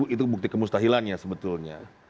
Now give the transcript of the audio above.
itu bukti kemustahilannya sebetulnya